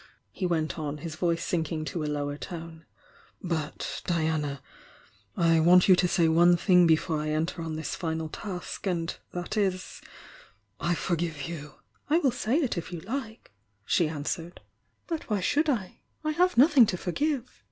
he went on, his voice sinking to a lower tone — "But, Diana^ I want you to say one thing before I enter on this final task — and that is— 'I forgive you!'" "I will say it if you like," she answered. "But why should I? I have nothing to forgive!"